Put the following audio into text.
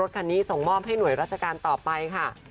ที่ราชบุรีค่ะ